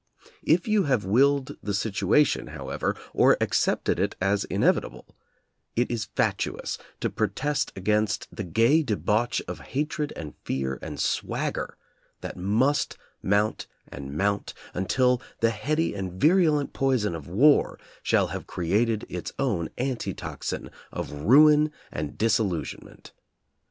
If you have willed the situa tion, however, or accepted it as inevitable, it is fatuous to protest against the gay debauch of ha tred and fear and swagger that must mount and mount, until the heady and virulent poison of war shall have created its own anti toxin of ruin and disillusionment.